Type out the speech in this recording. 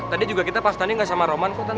tadi juga kita pas tanding gak sama roman kok